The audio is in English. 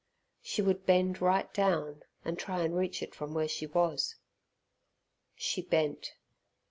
She would bend right down, and try and reach it from where she was. She bent.